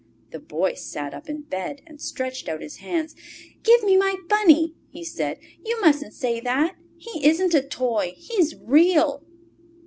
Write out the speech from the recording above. The Boy sat up in bed and stretched out his hands. "Give me my Bunny!" he said. "You mustn't say that. He isn't a toy. He's REAL!"